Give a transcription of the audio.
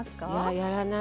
やらない。